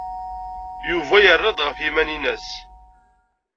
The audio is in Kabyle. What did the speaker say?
Yuba yerra-d ɣef yiman-nnes.